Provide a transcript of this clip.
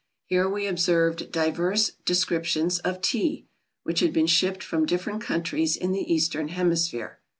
Here we observed divers descriptions of Tea, which had been shipped from different countries in the Eastern Hemisphere.